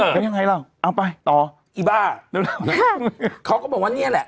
แล้วยังไงล่ะเอาไปต่ออีบ้าเร็วเขาก็บอกว่าเนี่ยแหละ